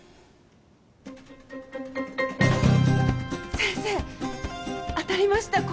先生当たりましたこれ。